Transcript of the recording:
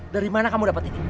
dari mana kamu dapat ini